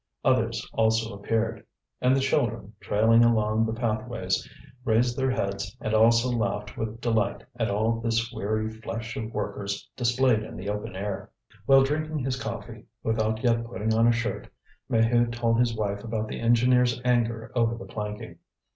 Others also appeared. And the children, trailing along the pathways, raised their heads and also laughed with delight at all this weary flesh of workers displayed in the open air. While drinking his coffee, without yet putting on a shirt, Maheu told his wife about the engineer's anger over the planking.